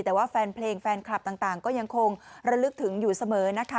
แต่ว่าแฟนเพลงแฟนคลับต่างก็ยังคงระลึกถึงอยู่เสมอนะคะ